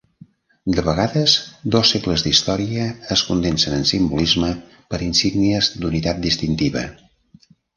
De vegades dos segles d'història es condensen en simbolisme per insígnies d'unitat distintiva.